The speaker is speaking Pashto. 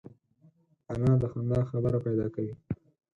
انا د خندا خبره پیدا کوي